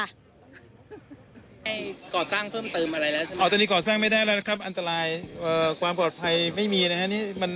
อาจรู้แล้วมันมาจากความบกพ่องของคน